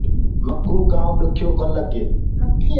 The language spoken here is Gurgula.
مڪوُ ڪآم ڏکيو ڪونآ لگي۔